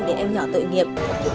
để em nhỏ tội nghiệp